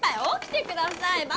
おきてください。